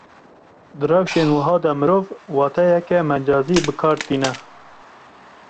Di rewşên wiha de mirov, wateyeke mecazî bi kar tîne